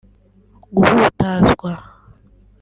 guhutazwa